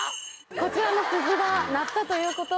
こちらの鈴が鳴ったということは。